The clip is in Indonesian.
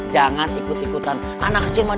jangan ikut ikutan anak kecil madi